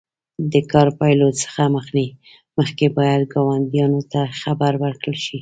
د کار پیلولو څخه مخکې باید ګاونډیانو ته خبر ورکړل شي.